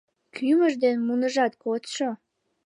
Кӱмыж ден муныжат кодшо.